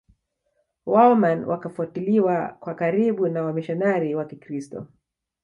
waoman wakafuatiliwa kwa karibu na wamishionari wa kikristo